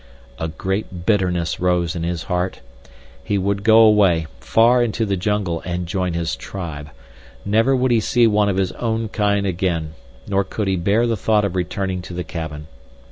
A great bitterness rose in his heart. He would go away, far into the jungle and join his tribe. Never would he see one of his own kind again, nor could he bear the thought of returning to the cabin.